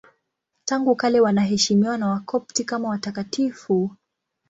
Tangu kale wanaheshimiwa na Wakopti kama watakatifu.